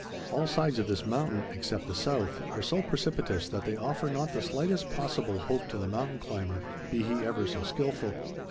All sides of this mountain, except the south, are so precipitous that they offer not the slightest possible hope to the mountain climber, be he ever so skilful.